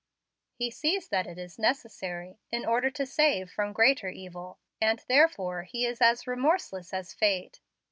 He sees that it is necessary, in order to save from greater evil, and therefore he is as remorseless as fate.